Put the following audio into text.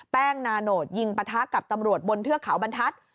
นาโนตยิงปะทะกับตำรวจบนเทือกเขาบรรทัศน์